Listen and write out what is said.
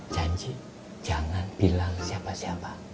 janji jangan bilang siapa siapa